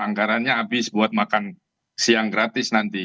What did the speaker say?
anggarannya habis buat makan siang gratis nanti